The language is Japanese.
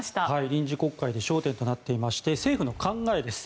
臨時国会で焦点となっていまして政府の考えです。